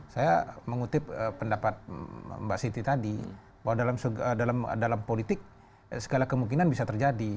saya mengutip pendapat mbak siti tadi bahwa dalam politik segala kemungkinan bisa terjadi